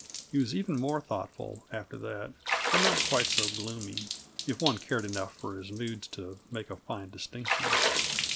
He was even more thoughtful, after that, but not quite so gloomy if one cared enough for his moods to make a fine distinction.